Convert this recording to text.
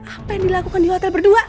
apa yang dilakukan di hotel berdua